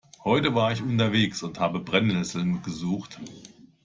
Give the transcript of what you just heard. Heute war ich unterwegs und habe Brennesseln gesucht.